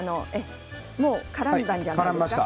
もうからんだんじゃないですか。